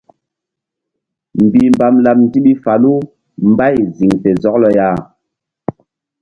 Mbihmbam laɓ ndiɓi falu mbay ziŋ fe zɔklɔ ya.